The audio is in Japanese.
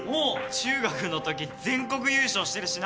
中学のとき全国優勝してるしな。